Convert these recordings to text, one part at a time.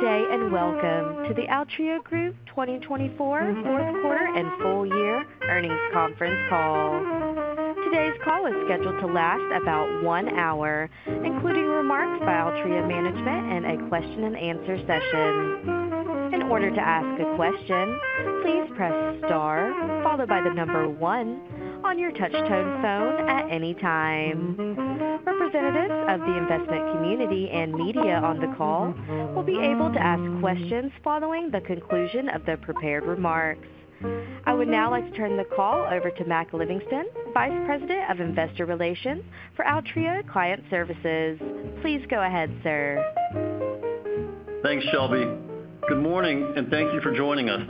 Good day and welcome to the Altria Group 2024 fourth quarter and full year earnings conference call. Today's call is scheduled to last about one hour, including remarks by Altria Management and a question-and-answer session. In order to ask a question, please press star, followed by the number one on your touchtone phone at any time. Representatives of the investment community and media on the call will be able to ask questions following the conclusion of their prepared remarks. I would now like to turn the call over to Mac Livingston, Vice President of Investor Relations for Altria Client Services. Please go ahead, sir. Thanks, Shelby. Good morning, and thank you for joining us.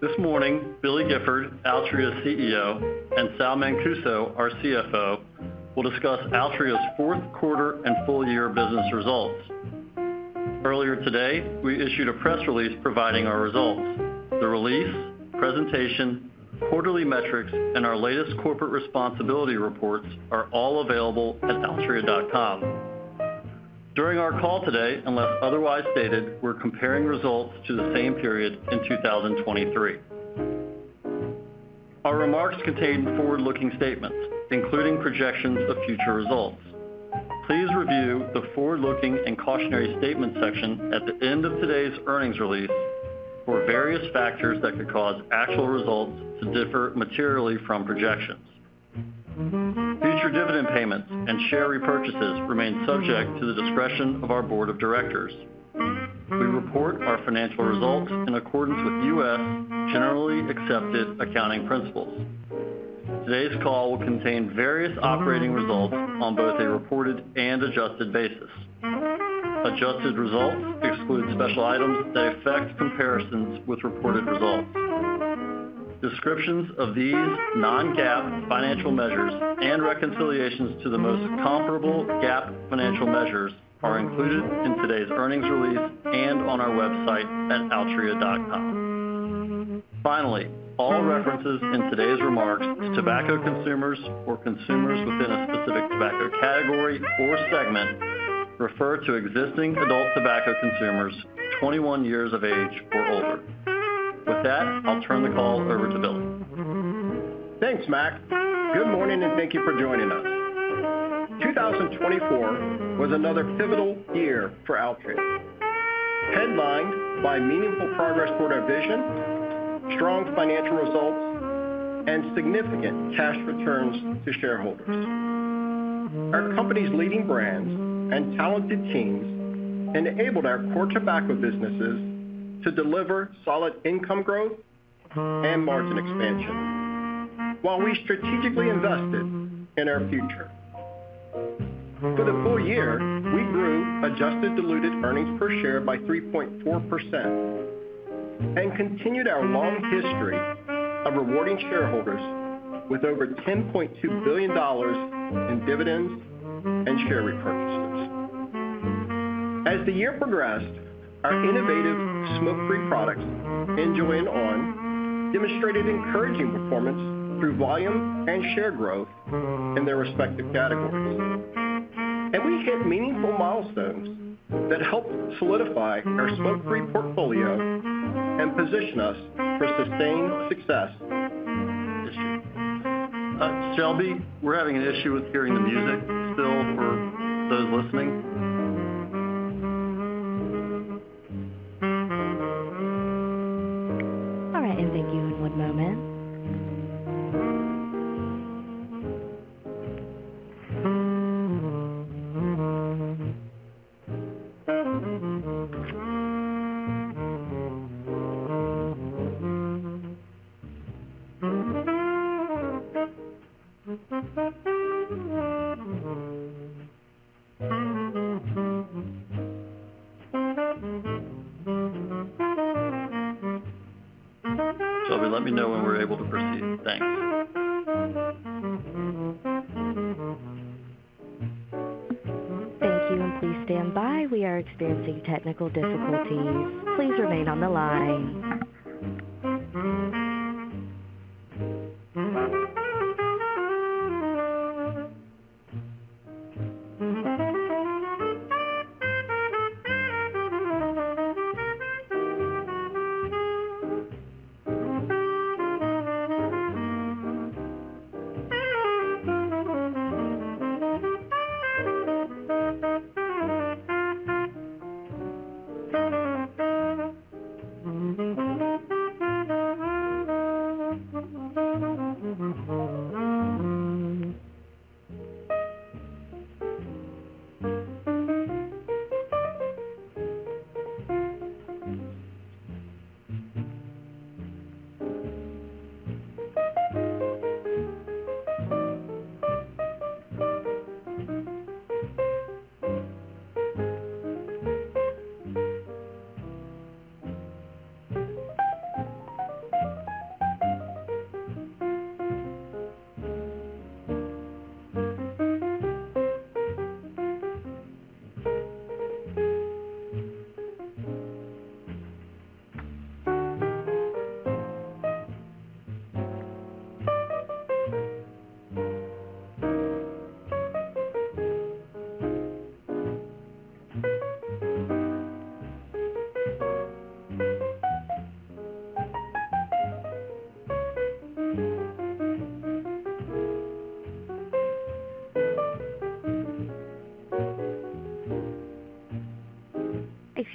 This morning, Billy Gifford, Altria's CEO, and Sal Mancuso, our CFO, will discuss Altria's fourth quarter and full year business results. Earlier today, we issued a press release providing our results. The release, presentation, quarterly metrics, and our latest corporate responsibility reports are all available at altria.com. During our call today, unless otherwise stated, we're comparing results to the same period in 2023. Our remarks contain forward-looking statements, including projections of future results. Please review the forward-looking and cautionary statement section at the end of today's earnings release for various factors that could cause actual results to differ materially from projections. Future dividend payments and share repurchases remain subject to the discretion of our board of directors. We report our financial results in accordance with U.S. generally accepted accounting principles. Today's call will contain various operating results on both a reported and adjusted basis. Adjusted results exclude special items that affect comparisons with reported results. Descriptions of these non-GAAP financial measures and reconciliations to the most comparable GAAP financial measures are included in today's earnings release and on our website at altria.com. Finally, all references in today's remarks to tobacco consumers or consumers within a specific tobacco category or segment refer to existing adult tobacco consumers 21 years of age or older. With that, I'll turn the call over to Billy. Thanks, Mac. Good morning, and thank you for joining us. 2024 was another pivotal year for Altria, headlined by meaningful progress toward our vision, strong financial results, and significant cash returns to shareholders. Our company's leading brands and talented teams enabled our core tobacco businesses to deliver solid income growth and margin expansion while we strategically invested in our future. For the full year, we grew adjusted diluted earnings per share by 3.4% and continued our long history of rewarding shareholders with over $10.2 billion in dividends and share repurchases. As the year progressed, our innovative smoke-free products, NJOY and on!, demonstrated encouraging performance through volume and share growth in their respective categories. And we hit meaningful milestones that helped solidify our smoke-free portfolio and position us for sustained success. Shelby, we're having an issue with hearing the music still for those listening. All right, and thank you. One moment. Shelby, let me know when we're able to proceed. Thanks. Thank you, and please stand by. We are experiencing technical difficulties. Please remain on the line.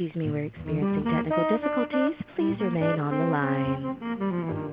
Excuse me, we're experiencing technical difficulties. Please remain on the line.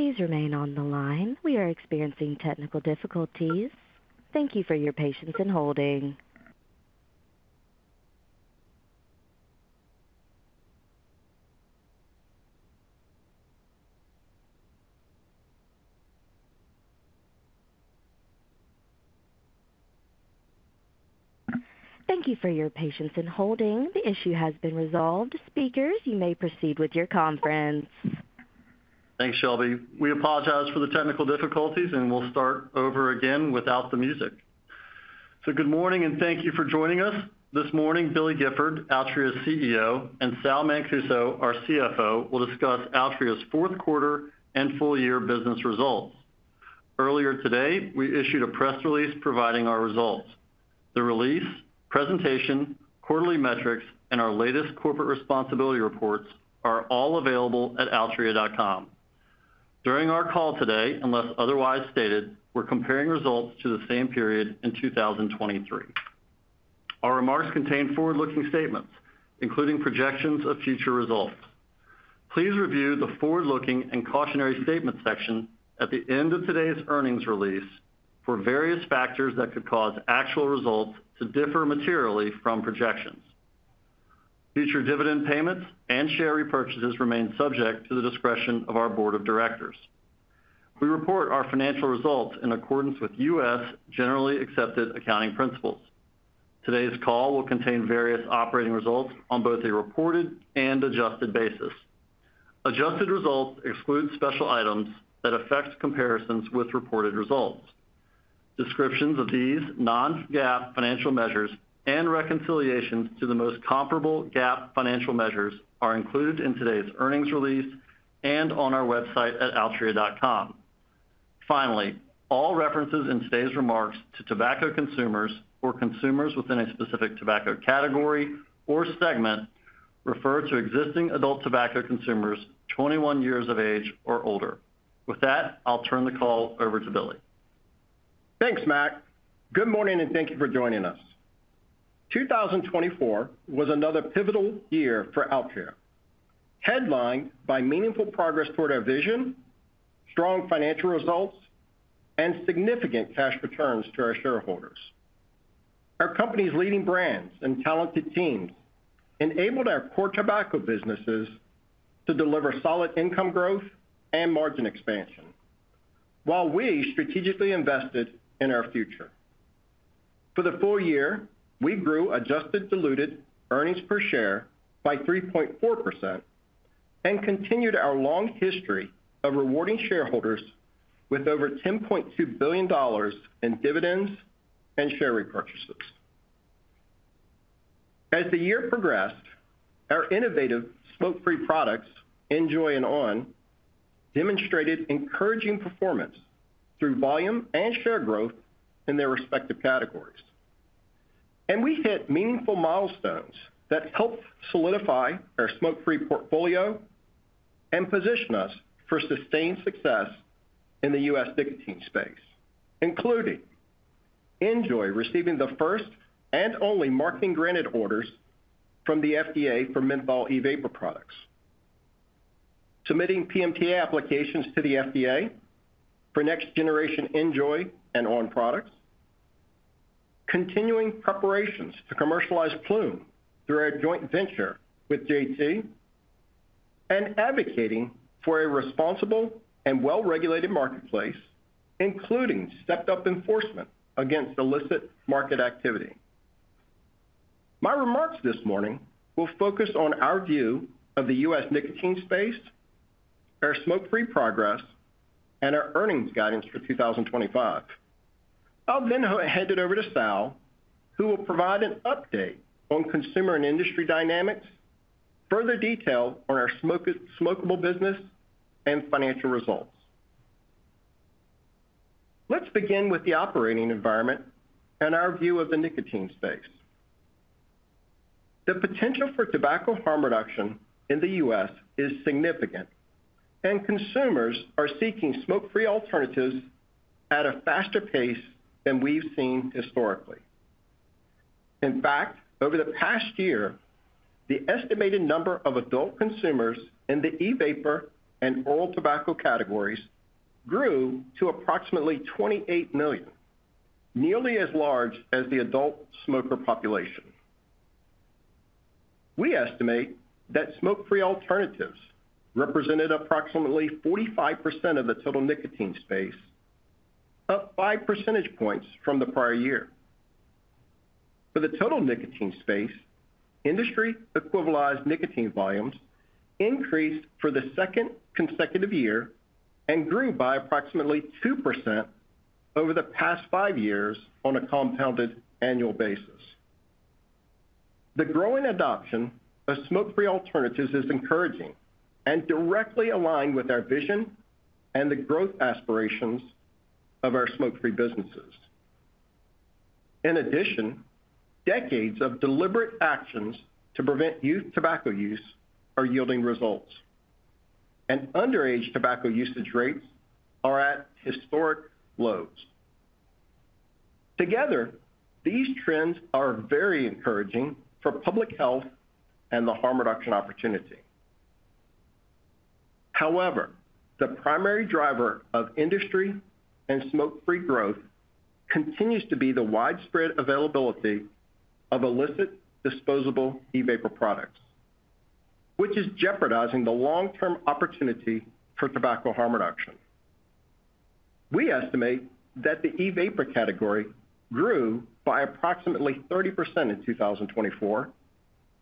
Please remain on the line. We are experiencing technical difficulties. Thank you for your patience and holding. Thank you for your patience and holding. The issue has been resolved. Speakers, you may proceed with your conference. Thanks, Shelby. We apologize for the technical difficulties, and we'll start over again without the music. So good morning, and thank you for joining us. This morning, Billy Gifford, Altria's CEO, and Sal Mancuso, our CFO, will discuss Altria's fourth quarter and full year business results. Earlier today, we issued a press release providing our results. The release, presentation, quarterly metrics, and our latest corporate responsibility reports are all available at altria.com. During our call today, unless otherwise stated, we're comparing results to the same period in 2023. Our remarks contain forward-looking statements, including projections of future results. Please review the forward-looking and cautionary statement section at the end of today's earnings release for various factors that could cause actual results to differ materially from projections. Future dividend payments and share repurchases remain subject to the discretion of our board of directors. We report our financial results in accordance with U.S. generally accepted accounting principles. Today's call will contain various operating results on both a reported and adjusted basis. Adjusted results exclude special items that affect comparisons with reported results. Descriptions of these non-GAAP financial measures and reconciliations to the most comparable GAAP financial measures are included in today's earnings release and on our website at altria.com. Finally, all references in today's remarks to tobacco consumers or consumers within a specific tobacco category or segment refer to existing adult tobacco consumers 21 years of age or older. With that, I'll turn the call over to Billy. Thanks, Mac. Good morning, and thank you for joining us. 2024 was another pivotal year for Altria, headlined by meaningful progress toward our vision, strong financial results, and significant cash returns to our shareholders. Our company's leading brands and talented teams enabled our core tobacco businesses to deliver solid income growth and margin expansion while we strategically invested in our future. For the full year, we grew adjusted diluted earnings per share by 3.4% and continued our long history of rewarding shareholders with over $10.2 billion in dividends and share repurchases. As the year progressed, our innovative smoke-free products, NJOY and on!, demonstrated encouraging performance through volume and share growth in their respective categories. And we hit meaningful milestones that helped solidify our smoke-free portfolio and position us for sustained success in the U.S. nicotine space, including NJOY receiving the first and only marketing-granted orders from the FDA for menthol e-vapor products, submitting PMTA applications to the FDA for next-generation NJOY and on! products, continuing preparations to commercialize Ploom through our joint venture with JT, and advocating for a responsible and well-regulated marketplace, including stepped-up enforcement against illicit market activity. My remarks this morning will focus on our view of the U.S. nicotine space, our smoke-free progress, and our earnings guidance for 2025. I'll then hand it over to Sal, who will provide an update on consumer and industry dynamics, further detail on our smokable business, and financial results. Let's begin with the operating environment and our view of the nicotine space. The potential for tobacco harm reduction in the U.S. is significant, and consumers are seeking smoke-free alternatives at a faster pace than we've seen historically. In fact, over the past year, the estimated number of adult consumers in the e-vapor and oral tobacco categories grew to approximately 28 million, nearly as large as the adult smoker population. We estimate that smoke-free alternatives represented approximately 45% of the total nicotine space, up five percentage points from the prior year. For the total nicotine space, industry-equalized nicotine volumes increased for the second consecutive year and grew by approximately 2% over the past five years on a compounded annual basis. The growing adoption of smoke-free alternatives is encouraging and directly aligned with our vision and the growth aspirations of our smoke-free businesses. In addition, decades of deliberate actions to prevent youth tobacco use are yielding results, and underage tobacco usage rates are at historic lows. Together, these trends are very encouraging for public health and the harm reduction opportunity. However, the primary driver of industry and smoke-free growth continues to be the widespread availability of illicit disposable e-vapor products, which is jeopardizing the long-term opportunity for tobacco harm reduction. We estimate that the e-vapor category grew by approximately 30% in 2024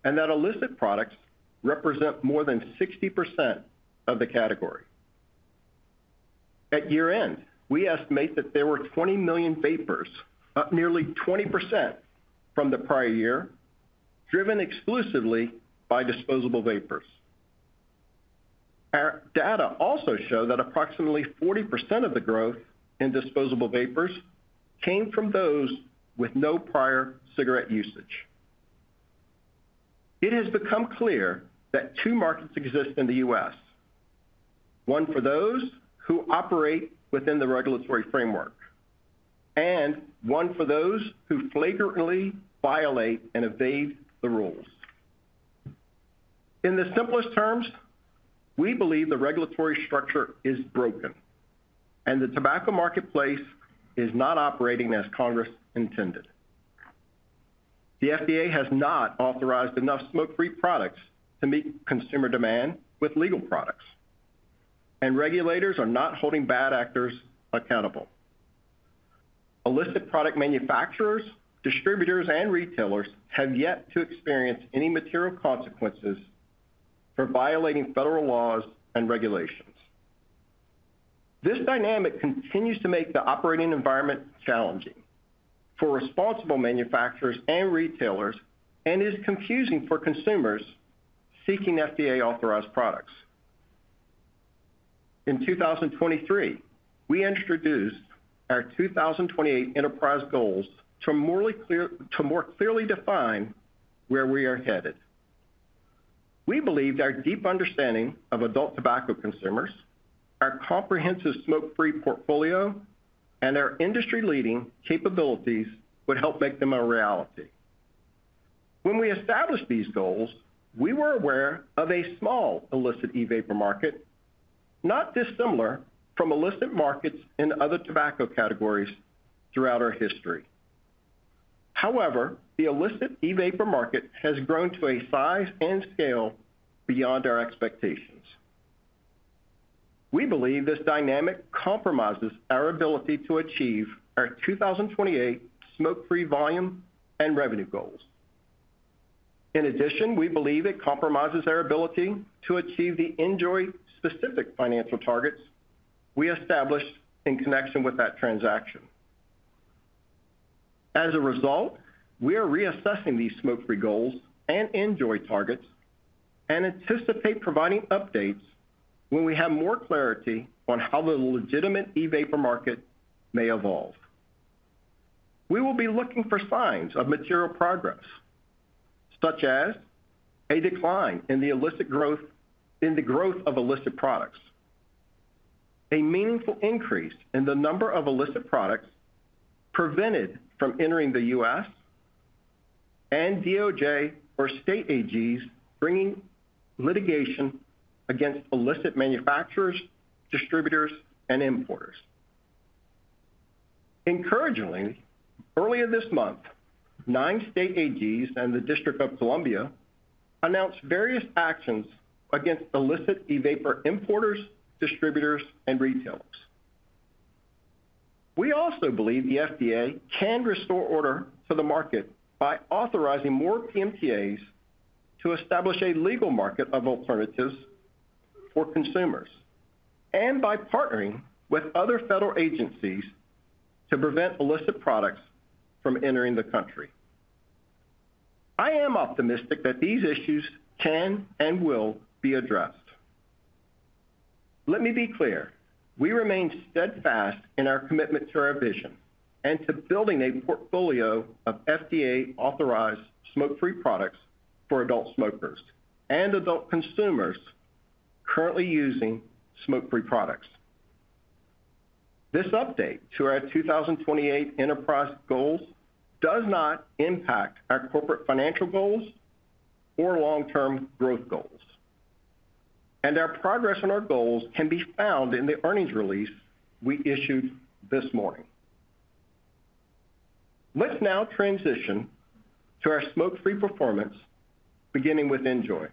and that illicit products represent more than 60% of the category. At year-end, we estimate that there were 20 million vapors, up nearly 20% from the prior year, driven exclusively by disposable vapors. Our data also show that approximately 40% of the growth in disposable vapors came from those with no prior cigarette usage. It has become clear that two markets exist in the U.S.: one for those who operate within the regulatory framework and one for those who flagrantly violate and evade the rules. In the simplest terms, we believe the regulatory structure is broken, and the tobacco marketplace is not operating as Congress intended. The FDA has not authorized enough smoke-free products to meet consumer demand with legal products, and regulators are not holding bad actors accountable. Illicit product manufacturers, distributors, and retailers have yet to experience any material consequences for violating federal laws and regulations. This dynamic continues to make the operating environment challenging for responsible manufacturers and retailers and is confusing for consumers seeking FDA-authorized products. In 2023, we introduced our 2028 enterprise goals to more clearly define where we are headed. We believe our deep understanding of adult tobacco consumers, our comprehensive smoke-free portfolio, and our industry-leading capabilities would help make them a reality. When we established these goals, we were aware of a small illicit e-vapor market, not dissimilar from illicit markets in other tobacco categories throughout our history. However, the illicit e-vapor market has grown to a size and scale beyond our expectations. We believe this dynamic compromises our ability to achieve our 2028 smoke-free volume and revenue goals. In addition, we believe it compromises our ability to achieve the NJOY-specific financial targets we established in connection with that transaction. As a result, we are reassessing these smoke-free goals and NJOY targets and anticipate providing updates when we have more clarity on how the legitimate e-vapor market may evolve. We will be looking for signs of material progress, such as a decline in the illicit growth of illicit products, a meaningful increase in the number of illicit products prevented from entering the U.S., and DOJ or state AGs bringing litigation against illicit manufacturers, distributors, and importers. Encouragingly, earlier this month, nine state AGs and the District of Columbia announced various actions against illicit e-vapor importers, distributors, and retailers. We also believe the FDA can restore order to the market by authorizing more PMTAs to establish a legal market of alternatives for consumers and by partnering with other federal agencies to prevent illicit products from entering the country. I am optimistic that these issues can and will be addressed. Let me be clear. We remain steadfast in our commitment to our vision and to building a portfolio of FDA-authorized smoke-free products for adult smokers and adult consumers currently using smoke-free products. This update to our 2028 enterprise goals does not impact our corporate financial goals or long-term growth goals, and our progress on our goals can be found in the earnings release we issued this morning. Let's now transition to our smoke-free performance, beginning with NJOY.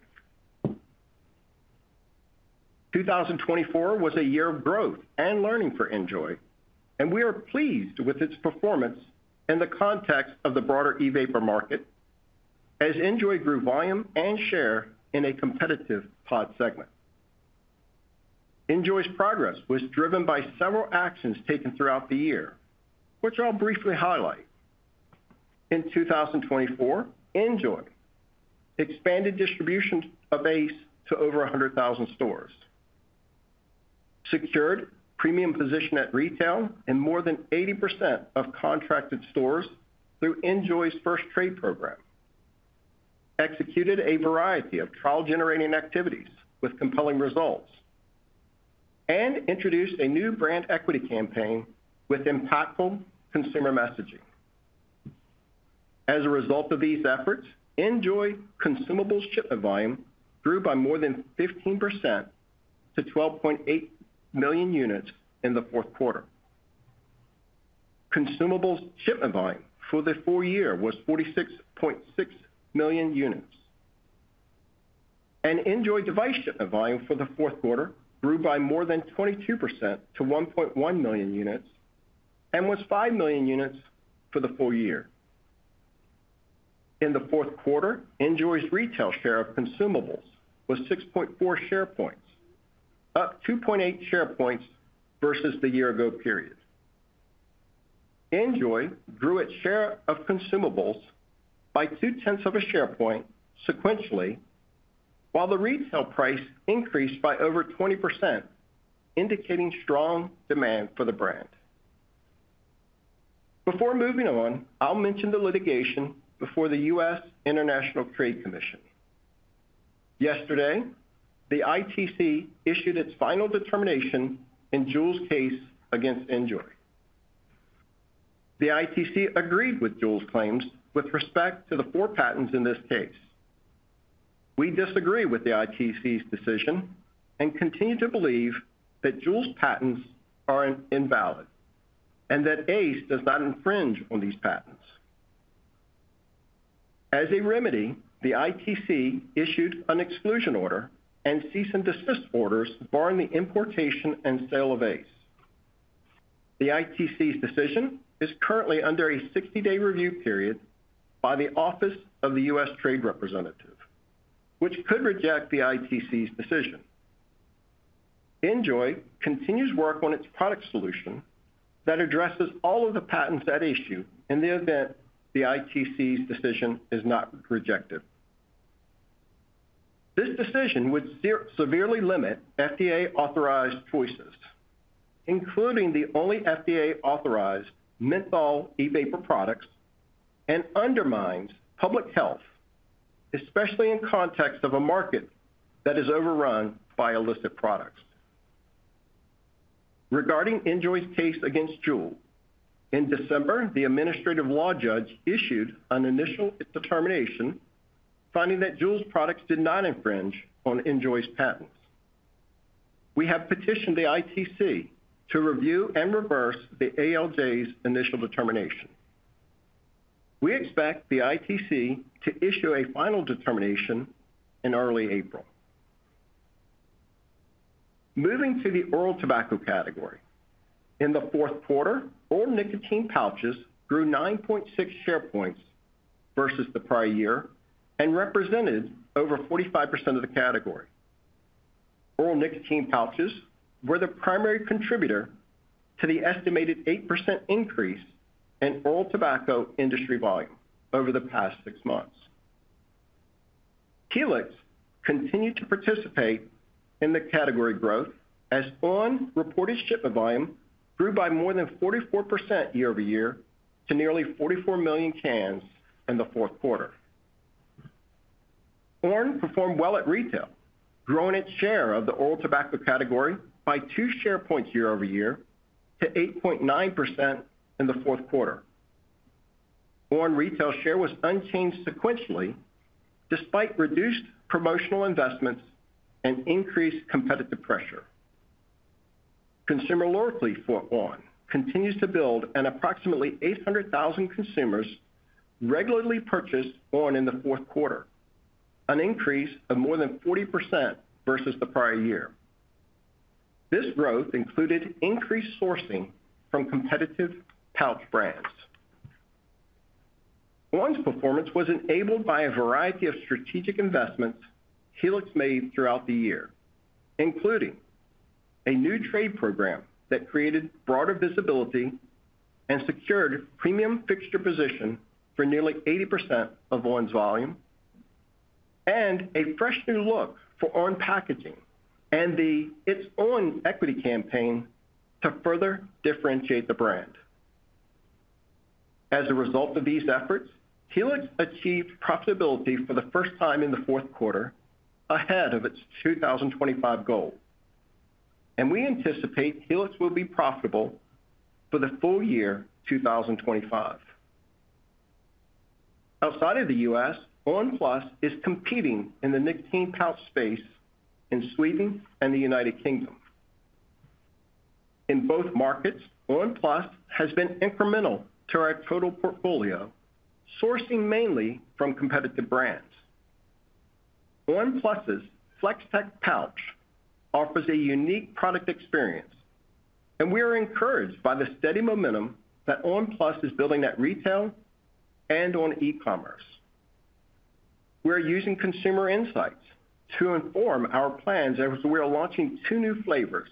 2024 was a year of growth and learning for NJOY, and we are pleased with its performance in the context of the broader e-vapor market as NJOY grew volume and share in a competitive pod segment. NJOY's progress was driven by several actions taken throughout the year, which I'll briefly highlight. In 2024, NJOY expanded distribution of ACE to over 100,000 stores, secured premium position at retail in more than 80% of contracted stores through NJOY's first trade program, executed a variety of trial-generating activities with compelling results, and introduced a new brand equity campaign with impactful consumer messaging. As a result of these efforts, NJOY consumables shipment volume grew by more than 15% to 12.8 million units in the fourth quarter. Consumables shipment volume for the full year was 46.6 million units, and NJOY device shipment volume for the fourth quarter grew by more than 22% to 1.1 million units and was 5 million units for the full year. In the fourth quarter, NJOY's retail share of consumables was 6.4 share points, up 2.8 share points versus the year-ago period. NJOY grew its share of consumables by 2/10 of a share point sequentially, while the retail price increased by over 20%, indicating strong demand for the brand. Before moving on, I'll mention the litigation before the U.S. International Trade Commission. Yesterday, the ITC issued its final determination in JUUL's case against NJOY. The ITC agreed with JUUL's claims with respect to the four patents in this case. We disagree with the ITC's decision and continue to believe that JUUL's patents are invalid and that ACE does not infringe on these patents. As a remedy, the ITC issued an exclusion order and cease-and-desist orders barring the importation and sale of ACE. The ITC's decision is currently under a 60-day review period by the Office of the U.S. Trade Representative, which could reject the ITC's decision. NJOY continues work on its product solution that addresses all of the patents at issue in the event the ITC's decision is not rejected. This decision would severely limit FDA-authorized choices, including the only FDA-authorized menthol e-vapor products, and undermines public health, especially in context of a market that is overrun by illicit products. Regarding NJOY's case against JUUL, in December, the Administrative Law Judge issued an initial determination finding that JUUL's products did not infringe on NJOY's patents. We have petitioned the ITC to review and reverse the ALJ's initial determination. We expect the ITC to issue a final determination in early April. Moving to the oral tobacco category, in the fourth quarter, oral nicotine pouches grew 9.6 share points versus the prior year and represented over 45% of the category. Oral nicotine pouches were the primary contributor to the estimated 8% increase in oral tobacco industry volume over the past six months. Helix continued to participate in the category growth as on! reported shipment volume grew by more than 44% year-over-year to nearly 44 million cans in the fourth quarter. on! performed well at retail, growing its share of the oral tobacco category by 2 share points year-over-year to 8.9% in the fourth quarter. on! retail share was unchanged sequentially despite reduced promotional investments and increased competitive pressure. Consumer loyalty for on! continues to build, and approximately 800,000 consumers regularly purchased on! in the fourth quarter, an increase of more than 40% versus the prior year. This growth included increased share from competitive pouch brands. on!'s performance was enabled by a variety of strategic investments Helix made throughout the year, including a new trade program that created broader visibility and secured premium fixture position for nearly 80% of on!'s volume, and a fresh new look for on! packaging and its own equity campaign to further differentiate the brand. As a result of these efforts, Helix achieved profitability for the first time in the fourth quarter ahead of its 2025 goal, and we anticipate Helix will be profitable for the full year 2025. Outside of the U.S., on! PLUS is competing in the nicotine pouch space in Sweden and the United Kingdom. In both markets, on! PLUS has been incremental to our total portfolio, share mainly from competitive brands. on! PLUS's FlexTech pouch offers a unique product experience, and we are encouraged by the steady momentum that on! PLUS is building at retail and on e-commerce. We are using consumer insights to inform our plans as we are launching two new flavors,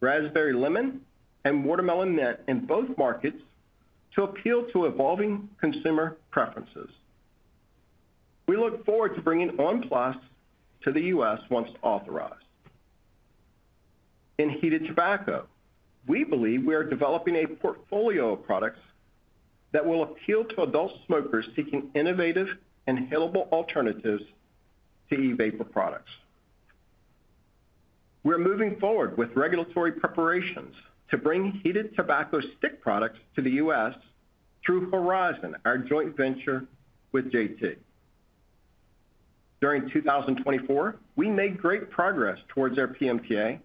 Raspberry Lemon and Watermelon Mint, in both markets to appeal to evolving consumer preferences. We look forward to bringing on! PLUS to the U.S. once authorized. In heated tobacco, we believe we are developing a portfolio of products that will appeal to adult smokers seeking innovative and palatable alternatives to e-vapor products. We are moving forward with regulatory preparations to bring heated tobacco stick products to the U.S. through Horizon, our joint venture with JT. During 2024, we made great progress towards our PMTA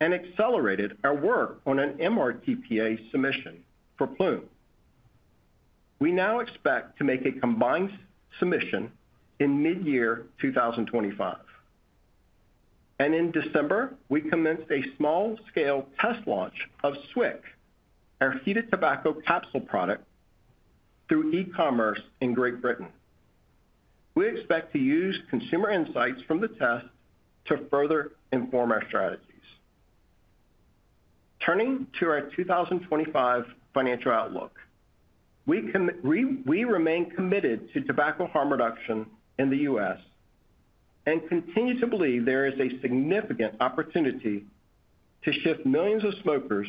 and accelerated our work on an MRTPA submission for Ploom. We now expect to make a combined submission in mid-year 2025. In December, we commenced a small-scale test launch of SWIC, our heated tobacco capsule product, through e-commerce in Great Britain. We expect to use consumer insights from the test to further inform our strategies. Turning to our 2025 financial outlook, we remain committed to tobacco harm reduction in the U.S. and continue to believe there is a significant opportunity to shift millions of smokers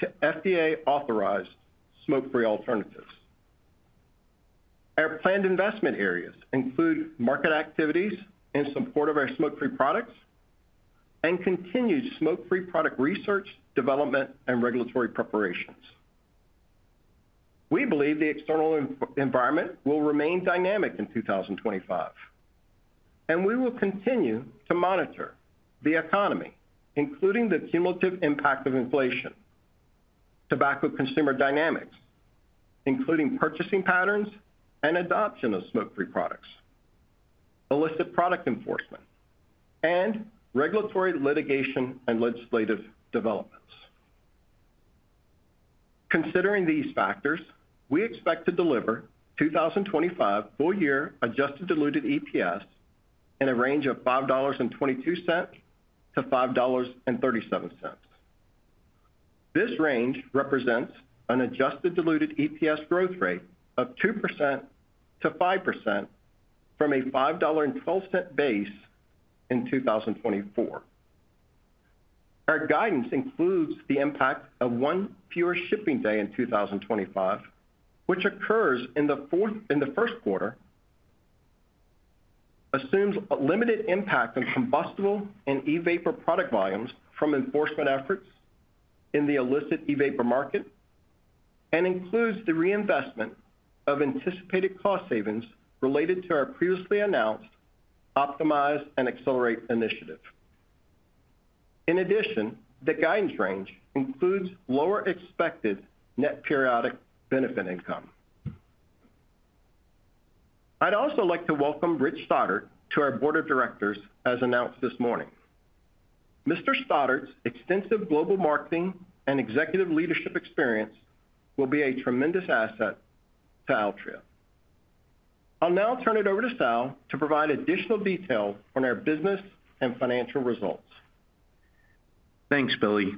to FDA-authorized smoke-free alternatives. Our planned investment areas include market activities in support of our smoke-free products and continued smoke-free product research, development, and regulatory preparations. We believe the external environment will remain dynamic in 2025, and we will continue to monitor the economy, including the cumulative impact of inflation, tobacco consumer dynamics, including purchasing patterns and adoption of smoke-free products, illicit product enforcement, and regulatory litigation and legislative developments. Considering these factors, we expect to deliver 2025 full-year adjusted diluted EPS in a range of $5.22-$5.37. This range represents an adjusted diluted EPS growth rate of 2%-5% from a $5.12 base in 2024. Our guidance includes the impact of one fewer shipping day in 2025, which occurs in the first quarter, assumes a limited impact on combustible and e-vapor product volumes from enforcement efforts in the illicit e-vapor market, and includes the reinvestment of anticipated cost savings related to our previously announced Optimize and Accelerate initiative. In addition, the guidance range includes lower expected net periodic benefit income. I'd also like to welcome Rich Stoddart to our board of directors as announced this morning. Mr. Stoddart's extensive global marketing and executive leadership experience will be a tremendous asset to Altria. I'll now turn it over to Sal to provide additional detail on our business and financial results. Thanks, Billy.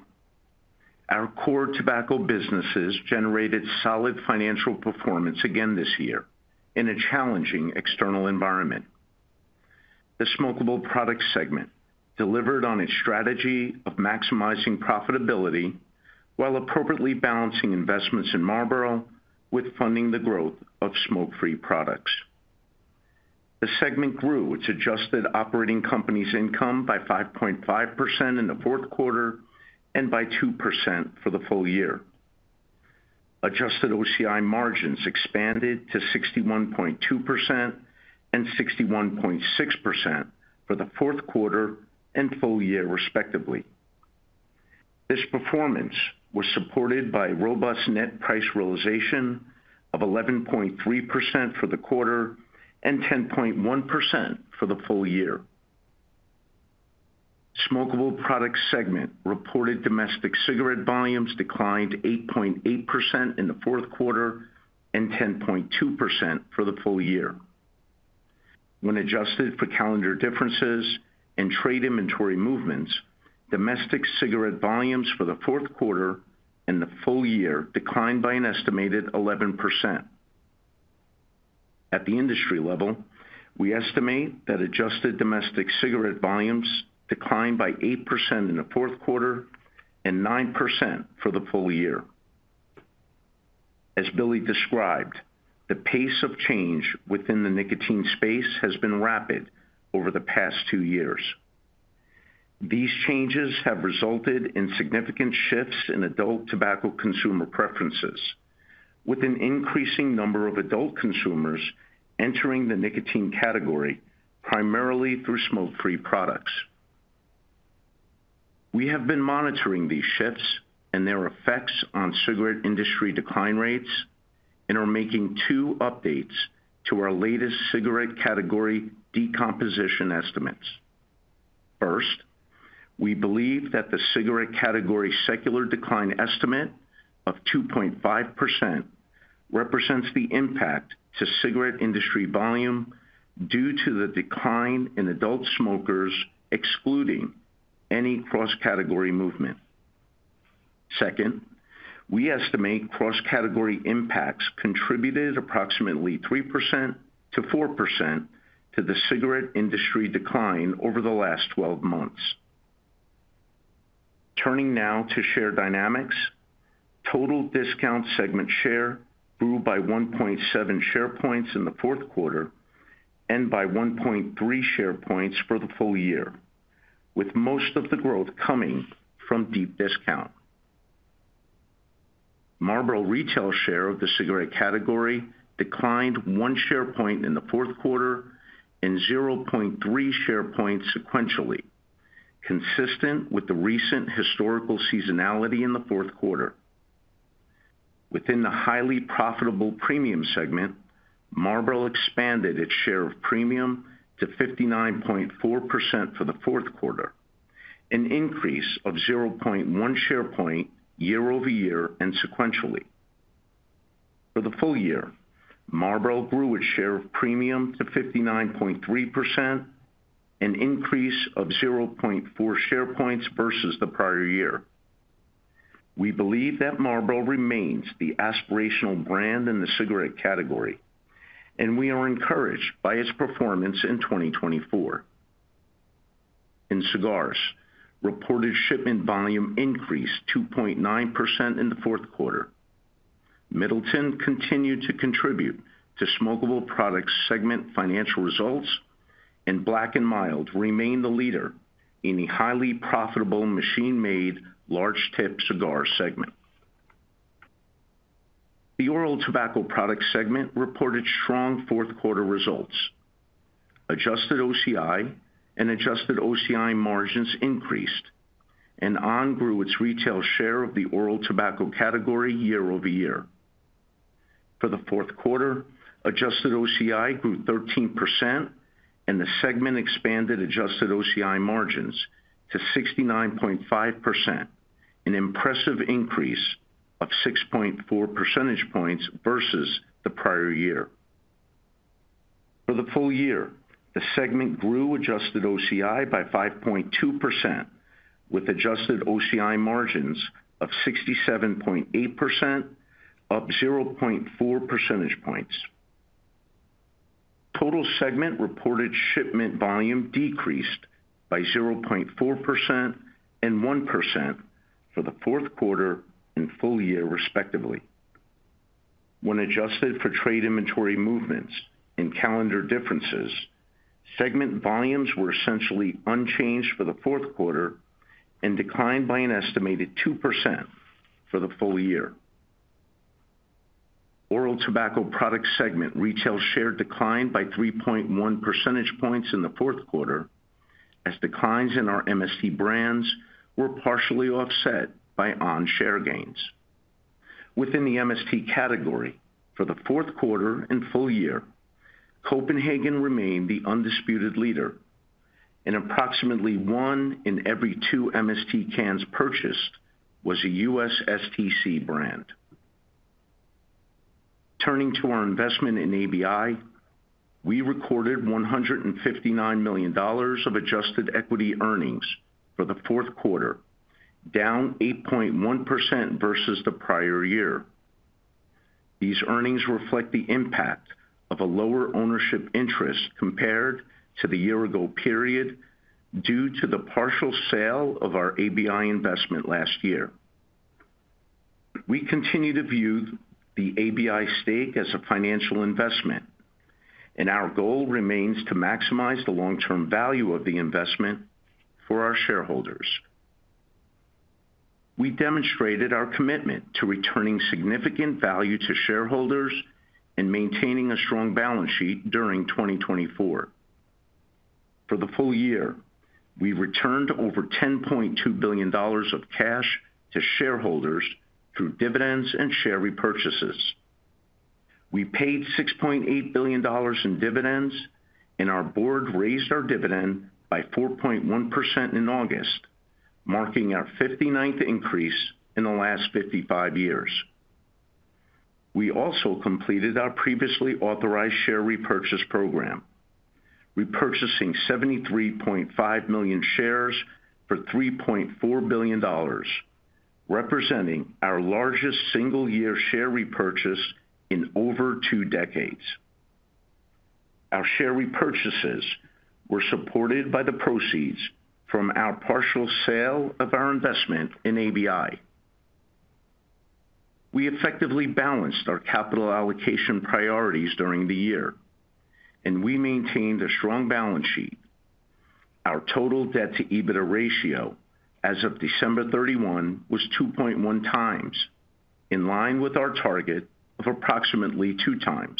Our core tobacco businesses generated solid financial performance again this year in a challenging external environment. The smokable product segment delivered on its strategy of maximizing profitability while appropriately balancing investments in Marlboro with funding the growth of smoke-free products. The segment grew its adjusted operating companies income by 5.5% in the fourth quarter and by 2% for the full year. Adjusted OCI margins expanded to 61.2% and 61.6% for the fourth quarter and full year, respectively. This performance was supported by robust net price realization of 11.3% for the quarter and 10.1% for the full year. Smokable product segment reported domestic cigarette volumes declined 8.8% in the fourth quarter and 10.2% for the full year. When adjusted for calendar differences and trade inventory movements, domestic cigarette volumes for the fourth quarter and the full year declined by an estimated 11%. At the industry level, we estimate that adjusted domestic cigarette volumes declined by 8% in the fourth quarter and 9% for the full year. As Billy described, the pace of change within the nicotine space has been rapid over the past two years. These changes have resulted in significant shifts in adult tobacco consumer preferences, with an increasing number of adult consumers entering the nicotine category primarily through smoke-free products. We have been monitoring these shifts and their effects on cigarette industry decline rates and are making two updates to our latest cigarette category decomposition estimates. First, we believe that the cigarette category secular decline estimate of 2.5% represents the impact to cigarette industry volume due to the decline in adult smokers, excluding any cross-category movement. Second, we estimate cross-category impacts contributed approximately 3% to 4% to the cigarette industry decline over the last 12 months. Turning now to share dynamics, total discount segment share grew by 1.7 share points in the fourth quarter and by 1.3 share points for the full year, with most of the growth coming from deep discount. Marlboro retail share of the cigarette category declined one share point in the fourth quarter and 0.3 share points sequentially, consistent with the recent historical seasonality in the fourth quarter. Within the highly profitable premium segment, Marlboro expanded its share of premium to 59.4% for the fourth quarter, an increase of 0.1 share point year-over-year and sequentially. For the full year, Marlboro grew its share of premium to 59.3%, an increase of 0.4 share points versus the prior year. We believe that Marlboro remains the aspirational brand in the cigarette category, and we are encouraged by its performance in 2024. In cigars, reported shipment volume increased 2.9% in the fourth quarter. Middleton continued to contribute to smokable product segment financial results, and Black & Mild remained the leader in the highly profitable machine-made large cigar segment. The oral tobacco product segment reported strong fourth-quarter results. Adjusted OCI and adjusted OCI margins increased, and on! grew its retail share of the oral tobacco category year-over-year. For the fourth quarter, adjusted OCI grew 13%, and the segment expanded adjusted OCI margins to 69.5%, an impressive increase of 6.4 percentage points versus the prior year. For the full year, the segment grew adjusted OCI by 5.2%, with adjusted OCI margins of 67.8%, up 0.4 percentage points. Total segment reported shipment volume decreased by 0.4% and 1% for the fourth quarter and full year, respectively. When adjusted for trade inventory movements and calendar differences, segment volumes were essentially unchanged for the fourth quarter and declined by an estimated 2% for the full year. Oral tobacco product segment retail share declined by 3.1 percentage points in the fourth quarter, as declines in our MST brands were partially offset by on! share gains. Within the MST category, for the fourth quarter and full year, Copenhagen remained the undisputed leader. Approximately one in every two MST cans purchased was a USSTC brand. Turning to our investment in ABI, we recorded $159 million of adjusted equity earnings for the fourth quarter, down 8.1% versus the prior year. These earnings reflect the impact of a lower ownership interest compared to the year-ago period due to the partial sale of our ABI investment last year. We continue to view the ABI stake as a financial investment, and our goal remains to maximize the long-term value of the investment for our shareholders. We demonstrated our commitment to returning significant value to shareholders and maintaining a strong balance sheet during 2024. For the full year, we returned over $10.2 billion of cash to shareholders through dividends and share repurchases. We paid $6.8 billion in dividends, and our board raised our dividend by 4.1% in August, marking our 59th increase in the last 55 years. We also completed our previously authorized share repurchase program, repurchasing 73.5 million shares for $3.4 billion, representing our largest single-year share repurchase in over two decades. Our share repurchases were supported by the proceeds from our partial sale of our investment in ABI. We effectively balanced our capital allocation priorities during the year, and we maintained a strong balance sheet. Our total debt-to-EBITDA ratio as of December 31 was 2.1x, in line with our target of approximately 2x.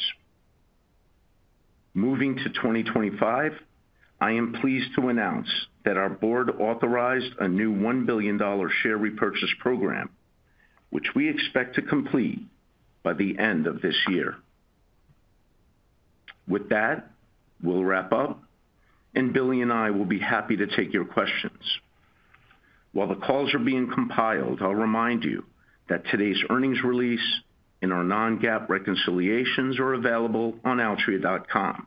Moving to 2025, I am pleased to announce that our board authorized a new $1 billion share repurchase program, which we expect to complete by the end of this year. With that, we'll wrap up, and Billy and I will be happy to take your questions. While the calls are being compiled, I'll remind you that today's earnings release and our non-GAAP reconciliations are available on altria.com.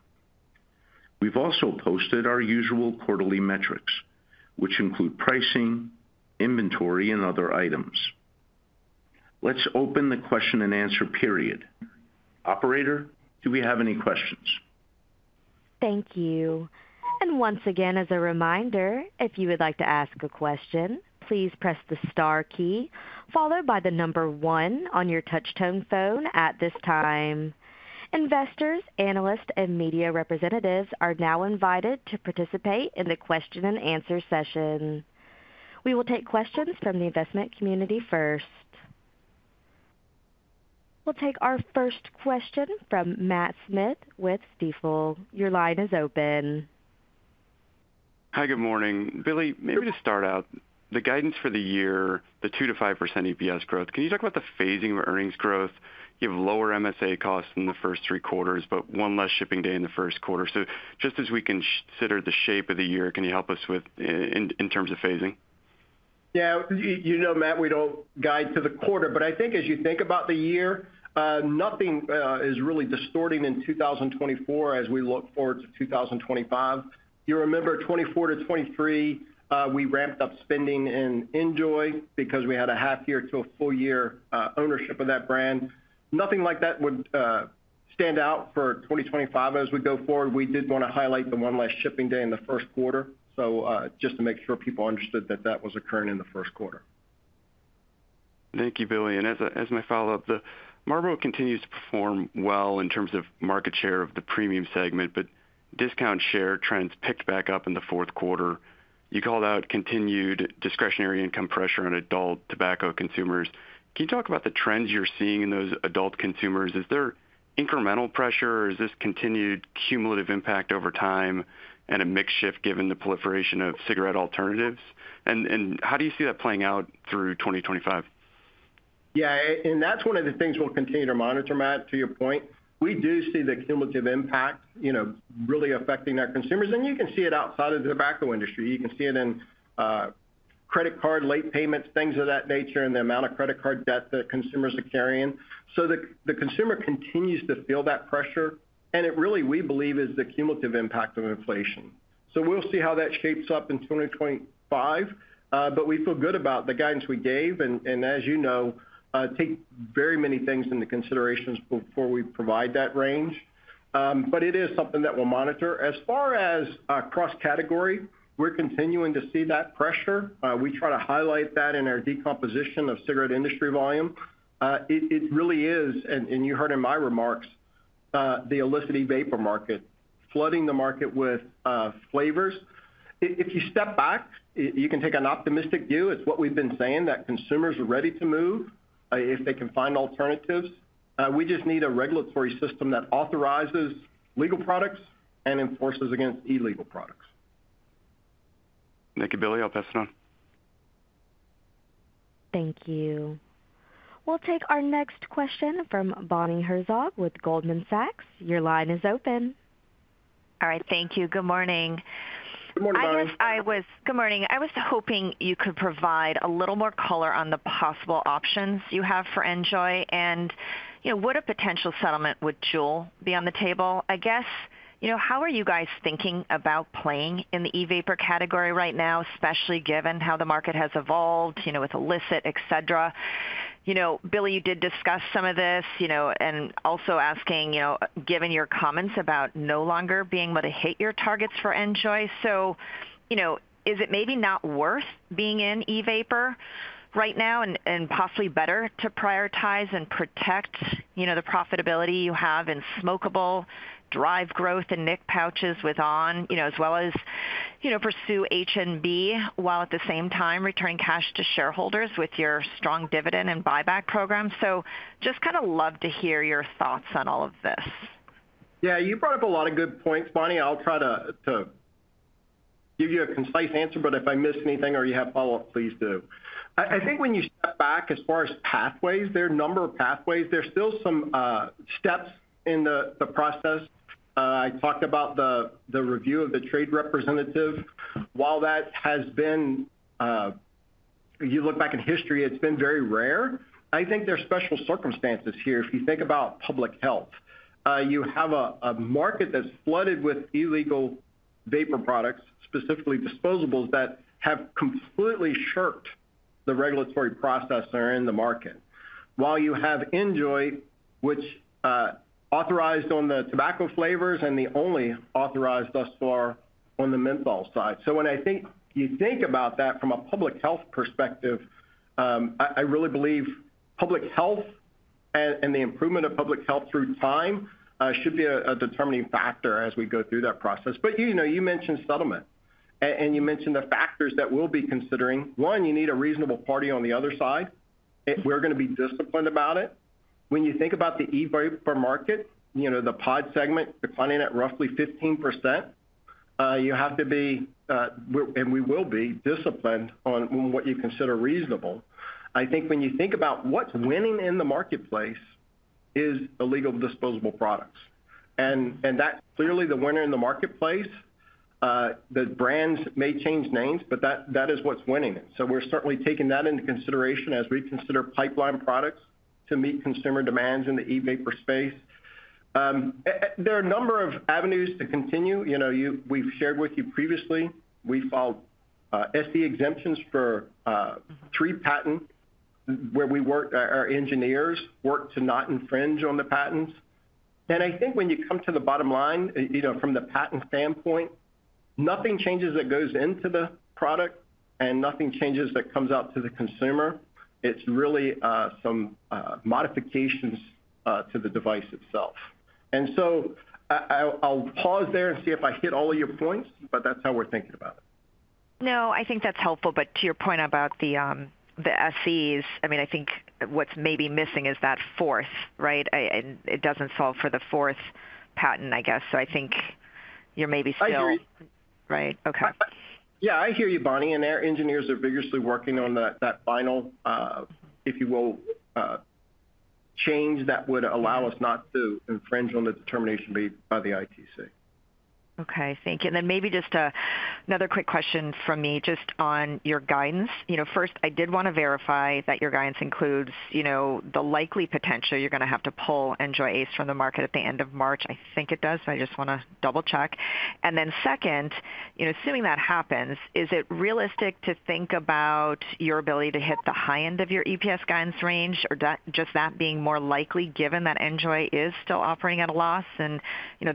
We've also posted our usual quarterly metrics, which include pricing, inventory, and other items. Let's open the question and answer period. Operator, do we have any questions? Thank you. Once again, as a reminder, if you would like to ask a question, please press the star key followed by the number one on your touchtone phone at this time. Investors, analysts, and media representatives are now invited to participate in the question and answer session. We will take questions from the investment community first. We'll take our first question from Matt Smith with Stifel. Your line is open. Hi, good morning. Billy, maybe to start out, the guidance for the year, the 2%-5% EPS growth, can you talk about the phasing of earnings growth? You have lower MSA costs in the first three quarters, but one less shipping day in the first quarter. So just as we consider the shape of the year, can you help us with in terms of phasing? Yeah. You know, Matt, we don't guide to the quarter, but I think as you think about the year, nothing is really distorting in 2024 as we look forward to 2025. You remember 2024 to 2023, we ramped up spending in NJOY because we had a half-year to a full-year ownership of that brand. Nothing like that would stand out for 2025 as we go forward. We did want to highlight the one less shipping day in the first quarter, so just to make sure people understood that that was occurring in the first quarter. Thank you, Billy. And as my follow-up, the Marlboro continues to perform well in terms of market share of the premium segment, but discount share trends picked back up in the fourth quarter. You called out continued discretionary income pressure on adult tobacco consumers. Can you talk about the trends you're seeing in those adult consumers? Is there incremental pressure, or is this continued cumulative impact over time and a mixed shift given the proliferation of cigarette alternatives? And how do you see that playing out through 2025? Yeah, and that's one of the things we'll continue to monitor, Matt, to your point. We do see the cumulative impact really affecting our consumers, and you can see it outside of the tobacco industry. You can see it in credit card late payments, things of that nature, and the amount of credit card debt that consumers are carrying, so the consumer continues to feel that pressure, and it really, we believe, is the cumulative impact of inflation, so we'll see how that shapes up in 2025, but we feel good about the guidance we gave, and as you know, take very many things into consideration before we provide that range, but it is something that we'll monitor. As far as cross-category, we're continuing to see that pressure. We try to highlight that in our decomposition of cigarette industry volume. It really is, and you heard in my remarks, the illicit e-vapor market flooding the market with flavors. If you step back, you can take an optimistic view. It's what we've been saying, that consumers are ready to move if they can find alternatives. We just need a regulatory system that authorizes legal products and enforces against illegal products. Thank you Billy, I'll pass it on. Thank you. We'll take our next question from Bonnie Herzog with Goldman Sachs. Your line is open. All right. Thank you. Good morning. Good morning, Bonnie. Good morning. I was hoping you could provide a little more color on the possible options you have for NJOY. And would a potential settlement with JUUL be on the table? I guess, how are you guys thinking about playing in the e-vapor category right now, especially given how the market has evolved with illicit, etc.? Billy, you did discuss some of this and also asking, given your comments about no longer being able to hit your targets for NJOY. So is it maybe not worth being in e-vapor right now and possibly better to prioritize and protect the profitability you have in smokeable, drive growth and nic pouches with on!, as well as pursue heat-not-burn while at the same time returning cash to shareholders with your strong dividend and buyback program? So just kind of love to hear your thoughts on all of this. Yeah. You brought up a lot of good points. Bonnie, I'll try to give you a concise answer, but if I missed anything or you have follow-up, please do. I think when you step back, as far as pathways, there are a number of pathways. There's still some steps in the process. I talked about the review of the trade representative. While that has been, you look back in history, it's been very rare. I think there are special circumstances here. If you think about public health, you have a market that's flooded with illegal vapor products, specifically disposables, that have completely shirked the regulatory process that are in the market. While you have NJOY, which authorized on the tobacco flavors and the only authorized thus far on the menthol side. So when you think about that from a public health perspective, I really believe public health and the improvement of public health through time should be a determining factor as we go through that process. But you mentioned settlement, and you mentioned the factors that we'll be considering. One, you need a reasonable party on the other side. We're going to be disciplined about it. When you think about the e-vapor market, the pod segment declining at roughly 15%, you have to be, and we will be, disciplined on what you consider reasonable. I think when you think about what's winning in the marketplace is illegal disposable products. And that's clearly the winner in the marketplace. The brands may change names, but that is what's winning it. So we're certainly taking that into consideration as we consider pipeline products to meet consumer demands in the e-vapor space. There are a number of avenues to continue. We've shared with you previously. We filed SE exemptions for three patents where our engineers worked to not infringe on the patents. And I think when you come to the bottom line, from the patent standpoint, nothing changes that goes into the product and nothing changes that comes out to the consumer. It's really some modifications to the device itself. And so I'll pause there and see if I hit all of your points, but that's how we're thinking about it. No, I think that's helpful. But to your point about the SEs, I mean, I think what's maybe missing is that fourth, right? And it doesn't solve for the fourth patent, I guess. So I think you're maybe still. I hear you. Right. Okay. Yeah, I hear you, Bonnie. And our engineers are vigorously working on that final, if you will, change that would allow us not to infringe on the determination made by the ITC. Okay. Thank you. And then maybe just another quick question from me just on your guidance. First, I did want to verify that your guidance includes the likely potential you're going to have to pull NJOY ACE from the market at the end of March. I think it does. I just want to double-check. And then second, assuming that happens, is it realistic to think about your ability to hit the high end of your EPS guidance range, or just that being more likely given that NJOY is still operating at a loss and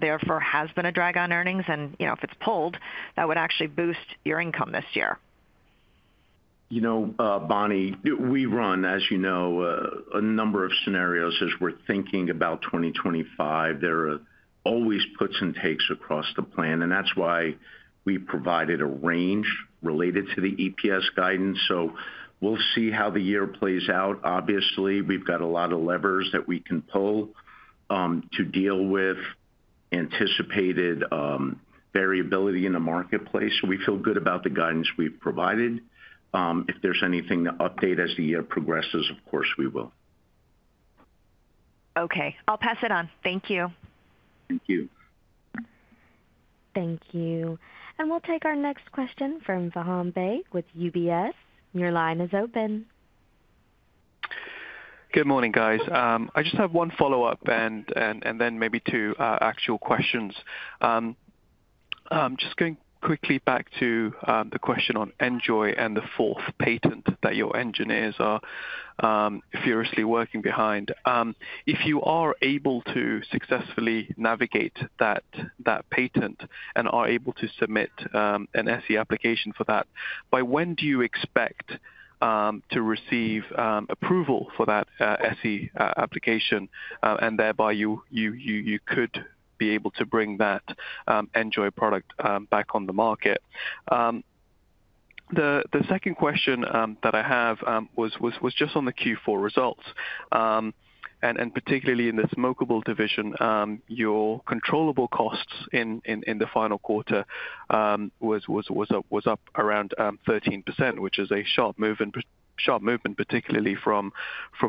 therefore has been a drag on earnings? And if it's pulled, that would actually boost your income this year. You know, Bonnie, we run, as you know, a number of scenarios as we're thinking about 2025. There are always puts and takes across the plan, and that's why we provided a range related to the EPS guidance. So we'll see how the year plays out. Obviously, we've got a lot of levers that we can pull to deal with anticipated variability in the marketplace. So we feel good about the guidance we've provided. If there's anything to update as the year progresses, of course, we will. Okay. I'll pass it on. Thank you. Thank you. Thank you. And we'll take our next question from Faham Baig with UBS. Your line is open. Good morning, guys. I just have one follow-up and then maybe two actual questions. Just going quickly back to the question on NJOY and the fourth patent that your engineers are furiously working behind. If you are able to successfully navigate that patent and are able to submit an SE application for that, by when do you expect to receive approval for that SE application and thereby you could be able to bring that NJOY product back on the market? The second question that I have was just on the Q4 results. And particularly in the smokable division, your controllable costs in the final quarter was up around 13%, which is a sharp movement, particularly from